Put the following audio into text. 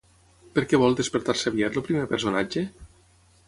Per què vol despertar-se aviat el primer personatge?